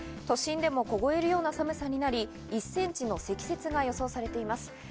都心でも凍えるような寒さになり、１ｃｍの積雪が予想されています。